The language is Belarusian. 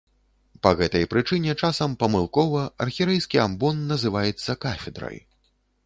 Па гэтай прычыне часам памылкова архірэйскі амбон называецца кафедрай.